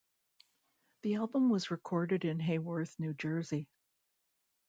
The album was recorded in Haworth, New Jersey.